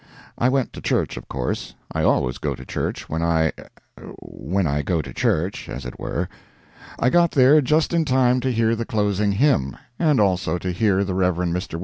I went to church, of course,—I always go to church when I—when I go to church—as it were. I got there just in time to hear the closing hymn, and also to hear the Rev. Mr.